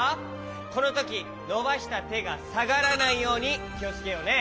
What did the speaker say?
このときのばしたてがさがらないようにきをつけようね。